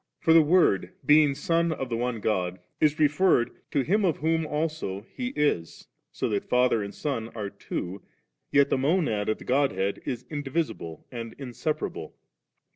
For the Word, being Son of the One God, is referred to Him of whom also He is ; so that Father and Son are two, yet the Monad of the Godhead is indivisible and inseparable.